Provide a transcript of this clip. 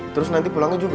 terus nanti pulangnya juga